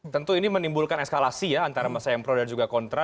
tentu ini menimbulkan eskalasi ya antara masa yang pro dan juga kontra